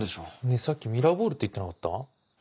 ねぇさっきミラーボールって言ってなかった？